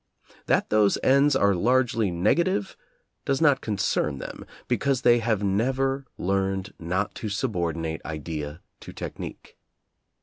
That those ends are largely negative does not concern them, because they have never learned not to subordinate idea to technique.